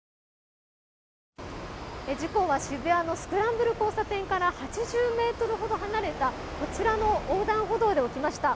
事故は渋谷のスクランブル交差点から８０ｍほど離れたこちらの横断歩道で起きました。